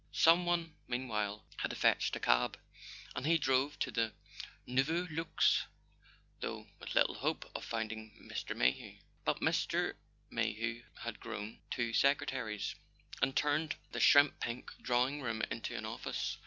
. Some one, meanwhile, had fetched a cab, and he drove to the Nouveau Luxe, though with little hope of finding Mr. Mayhew. But Mr. Mayhew had grown two secretaries, and turned the shrimp pink drawing¬ room into an office.